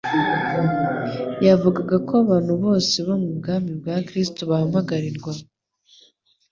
Yavugaga ko abantu bose bo mu bwami bwa Kristo bahamagarirwa